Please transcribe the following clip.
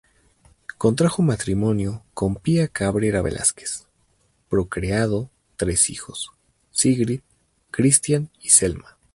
Contrajo matrimonio con Pía Cabrera Velásquez; procreado tres hijos: Sigrid, Christian y Selma.